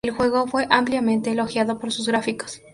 El juego fue ampliamente elogiado por sus gráficos.